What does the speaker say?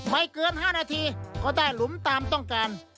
ไม่เกิน๕นาทีก็ได้หลุมตามต้องการ